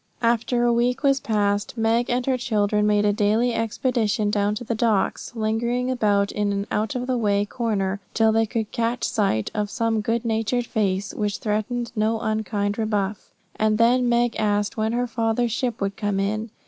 After a week was past, Meg and her children made a daily expedition down to the docks, lingering about in any out of the way corner till they could catch sight of some good natured face, which threatened no unkind rebuff, and then Meg asked when her father's ship would come in.